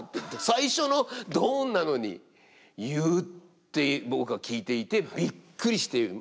最初のドンなのに言うって僕は聞いていてびっくりして。